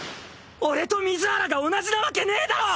俺と水原が同じなわけねぇだろ！